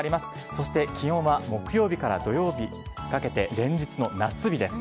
そして、気温は、木曜日から土曜日にかけて、連日の夏日です。